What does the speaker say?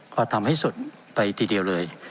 ก็ทำให้สดไปทีเดียวเลย